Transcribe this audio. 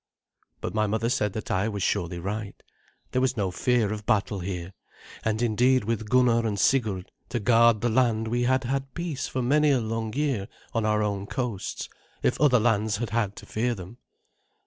But my mother said that I was surely right. There was no fear of battle here, and indeed with Gunnar and Sigurd to guard the land we had had peace for many a long year on our own coasts, if other lands had had to fear them.